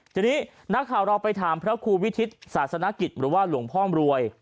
ทีนี้นักข่าวเราไปถามพระครูวิทิศศาสนกิจหรือว่าหลวงพ่ออำรวย